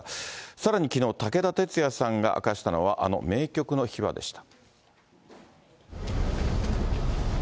さらにきのう、武田鉄矢さんが明かしたのは、あの名曲の秘話でした。